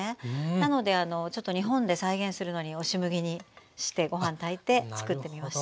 なのでちょっと日本で再現するのに押し麦にしてご飯炊いてつくってみました。